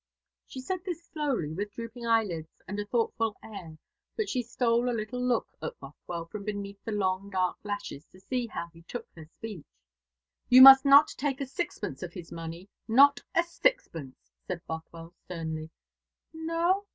She said this slowly, with drooping eyelids, and a thoughtful air; but she stole a little look at Bothwell from beneath the long dark lashes, to see how he took her speech. "You must not take a sixpence of his money not a sixpence," said Bothwell sternly. "No?